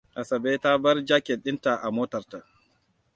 Asabeam ta bar jaket dinta a motar ta.